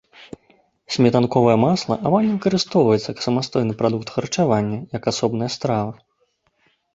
Сметанковае масла амаль не выкарыстоўваецца як самастойны прадукт харчавання, як асобная страва.